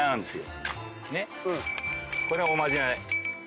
これおまじない。